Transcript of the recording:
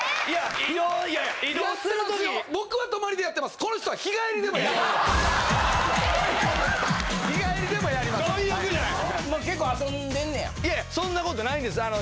いやいや、そんなことないです。